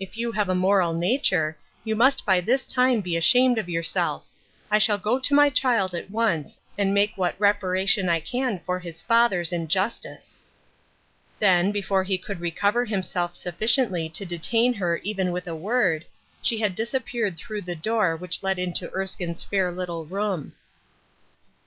If you have a moral nature, you must by this time be ashamed of your self. I shall go to my child at once, and make what reparation I can for his father's injustice." Then, before he could recover himself sufficiently to detain her even with a word, she had disappeared through the door which led into Erskine's fair little room.